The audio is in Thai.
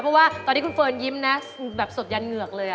เพราะว่าตอนที่คุณเฟิร์นยิ้มนะแบบสดยันเหงือกเลย